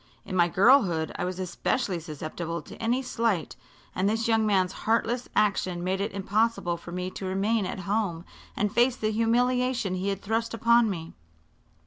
In my girlhood I was especially susceptible to any slight, and this young man's heartless action made it impossible for me to remain at home and face the humiliation he had thrust upon me.